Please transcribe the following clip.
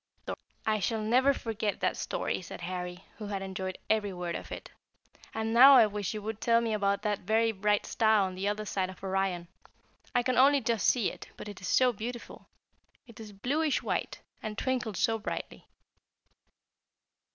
"I shall never forget that story," said Harry, who had enjoyed every word of it; "and now I wish you would tell me about that very bright star on the other side of Orion. I can only just see it, but it is so beautiful. It is bluish white, and twinkles so brightly."